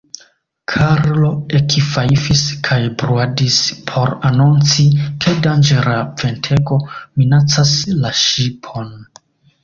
Karlo ekfajfis kaj bruadis por anonci, ke danĝera ventego minacas la ŝipon.